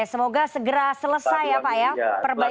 semoga segera selesai ya pak ya